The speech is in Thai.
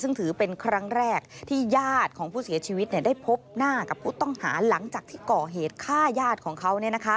ซึ่งถือเป็นครั้งแรกที่ญาติของผู้เสียชีวิตได้พบหน้ากับผู้ต้องหาหลังจากที่ก่อเหตุฆ่าญาติของเขา